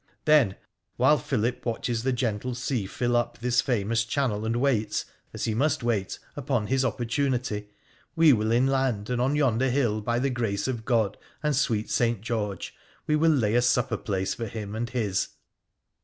Then, while Philip watches the gentle sea fill up this famous channel, and waits, as he must wait, upon his opportunity, we will inland, and on yonder hill, by the grace of God and sweet St. George, we will lay a supper place for him and his